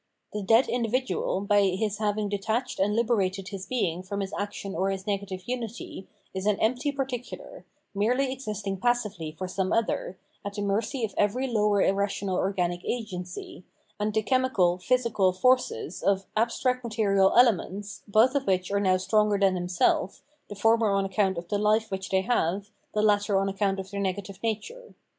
The dead individual, by his having detached and liberated his being from his action or his negative unity, is an empty particular, merely existing passively for some other, at the mercy of every lower irrational organic agency, and the [chemical, physical] forces of abstract material elements, both of which are now The Ethical World 447 stronger than himself, the former on account of the life which they have, the latter on account of their negative nature.